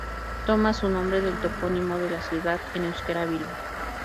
Toma su nombre del topónimo de la ciudad en euskera, Bilbo.